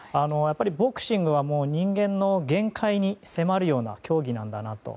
ボクシングは人間の限界に迫るような競技なんだなと。